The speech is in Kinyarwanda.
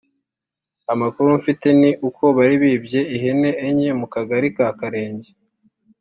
Amakuru mfite ni uko bari bibye ihene enye mu Kagari ka Karenge